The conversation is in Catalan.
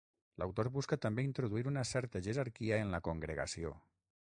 L'autor busca també introduir una certa jerarquia en la congregació.